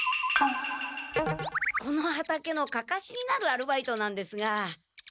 この畑のかかしになるアルバイトなんですが。